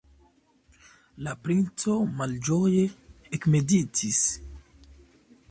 La princo malĝoje ekmeditis.